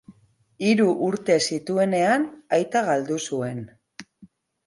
Hiru urte zituenean aita galdu zuen.